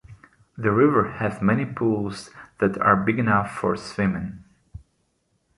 The river has many pools that are big enough for swimming.